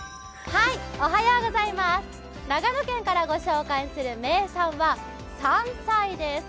長野県からご紹介する名産は山菜です。